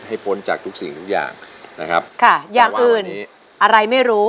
พ้นจากทุกสิ่งทุกอย่างนะครับค่ะอย่างอื่นอะไรไม่รู้